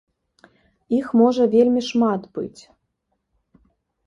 Іх можа вельмі шмат быць!